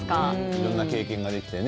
いろいろな経験ができてね。